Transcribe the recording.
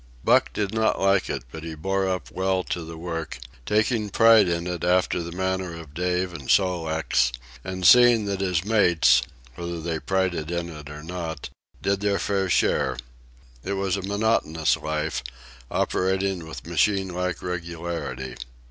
Buck did not like it, but he bore up well to the work, taking pride in it after the manner of Dave and Sol leks, and seeing that his mates, whether they prided in it or not, did their fair share. It was a monotonous life, operating with machine like regularity.